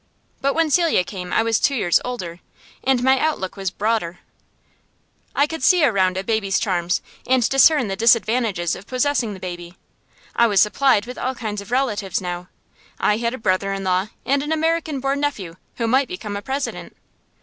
But when Celia came I was two years older, and my outlook was broader; I could see around a baby's charms, and discern the disadvantages of possessing the baby. I was supplied with all kinds of relatives now I had a brother in law, and an American born nephew, who might become a President.